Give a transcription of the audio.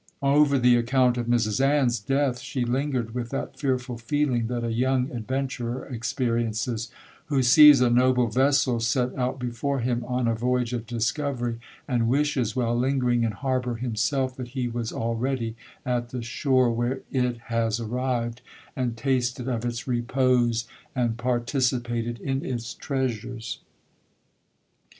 'Over the account of Mrs Ann's death, she lingered with that fearful feeling that a young adventurer experiences, who sees a noble vessel set out before him on a voyage of discovery, and wishes, while lingering in harbour himself, that he was already at the shore where it has arrived, and tasted of its repose, and participated in its treasures.